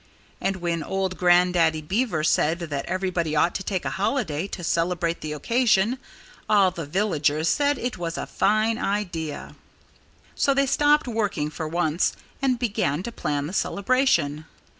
And when old Grandaddy Beaver said that everybody ought to take a holiday to celebrate the occasion, all the villagers said it was a fine idea. So they stopped working, for once, and began to plan the celebration.